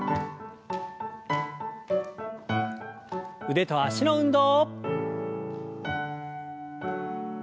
腕と脚の運動。